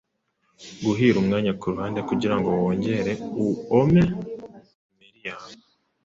Guhira umwanya kuruhande kugirango wongere uome imeri yawe,